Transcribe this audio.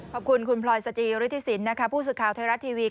ขอบคุณคุณพลอยสจีริฐศิลป์ผู้ศึกข่าวไทยรัฐทีวี